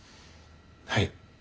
はい。